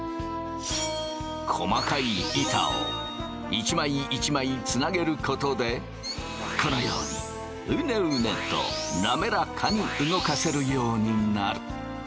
細かい板を一枚一枚つなげることでこのようにうねうねとなめらかに動かせるようになる。